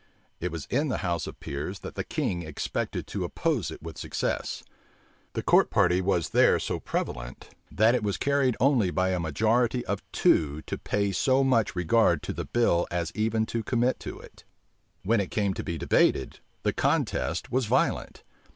It was in the house of peers that the king expected to oppose it with success. The court party was there so prevalent, that it was carried only by a majority of two to pay so much regard to the bill as even to commit it. When it came to be debated, the contest was violent.